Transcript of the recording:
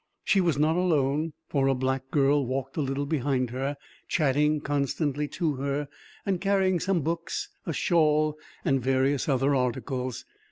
She was not alone, for a black girl walked a little behind her, chatting constantly to her, and carrying some books, a shawl, and various other articles.